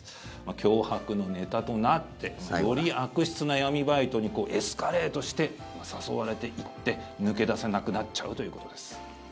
脅迫のネタとなってより悪質な闇バイトにエスカレートして誘われていって抜け出せなくなっちゃうということです。